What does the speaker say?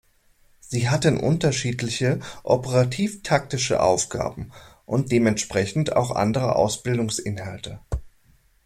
Sie hatten unterschiedliche operativ-taktische Aufgaben und dementsprechend auch andere Ausbildungsinhalte.